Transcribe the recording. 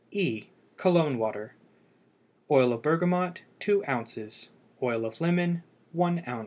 E. COLOGNE WATER. Oil of bergamot 2 oz. Oil of lemon 1 oz.